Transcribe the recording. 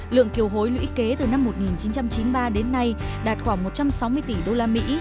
lượng kiều hối lưỡi kế từ năm một nghìn chín trăm chín mươi ba đến nay đạt khoảng một trăm sáu mươi tỷ usd